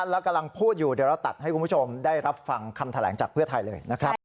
แล้วกำลังพูดอยู่เดี๋ยวเราตัดให้คุณผู้ชมได้รับฟังคำแถลงจากเพื่อไทยเลยนะครับ